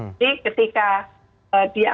jadi ketika dia